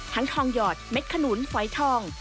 ทั้งทองหยอดเม็ดขนุนไฟทอง